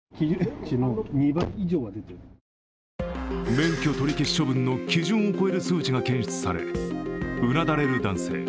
免許取消処分の基準を超える数値が検出され、うなだれる男性。